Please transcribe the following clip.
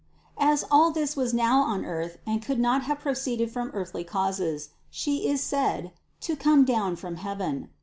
As all this was now on the earth and could not have proceeded from earthly causes, She is said to "come down from heaven.''